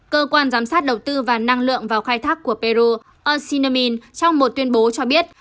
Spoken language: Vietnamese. cơ quan giám sát đầu tư và năng lượng vào khai thác của peru al shinemin trong một tuyên bố cho biết